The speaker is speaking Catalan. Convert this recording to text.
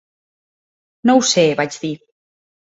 "No ho sé", vaig dir.